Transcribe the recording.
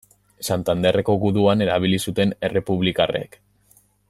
Santanderko guduan erabili zuten errepublikarrek.